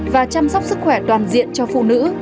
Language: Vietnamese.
và chăm sóc sức khỏe toàn diện cho phụ nữ